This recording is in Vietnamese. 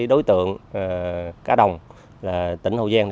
đối tượng cá đồng là tỉnh hậu giang